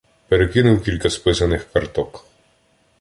Перекинув кілька списаних карток.